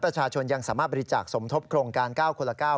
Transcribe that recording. ประชาชนยังสามารถบริจาคสมทบโครงการ๙คนละ๙